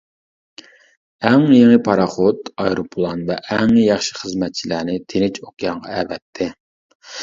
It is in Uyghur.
ئەڭ يېڭى پاراخوت، ئايروپىلان ۋە ئەڭ ياخشى خىزمەتچىلەرنى تىنچ ئوكيانغا ئەۋەتتى.